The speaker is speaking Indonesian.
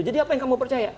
jadi apa yang kamu percaya